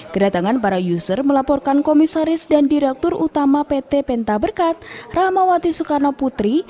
kedatangan para user melaporkan komisaris dan direktur utama pt penta berkat rahmawati soekarno putri